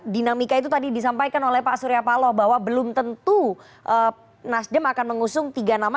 dinamika itu tadi disampaikan oleh pak surya paloh bahwa belum tentu nasdem akan mengusung tiga nama